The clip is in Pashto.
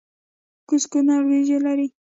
کوز کونړ وریجې لري؟